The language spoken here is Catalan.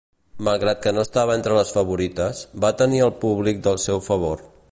Malgrat que no estava entre les favorites, va tenir el públic del seu favor.